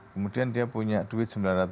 kemudian dia punya duit sembilan ratus